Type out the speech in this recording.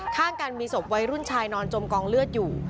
ข้างกันมีศพวัยรุ่นชายนอนจมกองเลือดอยู่